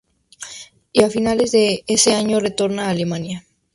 Y a fines de ese año retorna a Alemania.